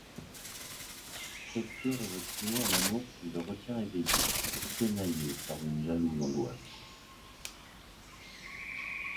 Shakespeare évoque souvent un amour qui le retient éveillé, tenaillé par une jalouse angoisse.